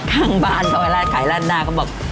ทั้งบ้านท้อยลาดขายลาดหน้าก็บอก